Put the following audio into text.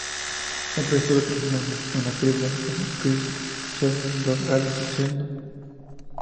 El resto de personajes en la película son Chris Sheldon, Dr. Alice Sheldon, Mr.